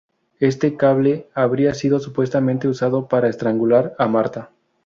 Este cable habría sido supuestamente usado para estrangular a Marta.